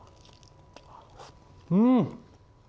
うん！